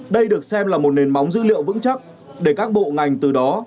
đây được xem là một nền móng dữ liệu vững chắc để các bộ ngành từ đó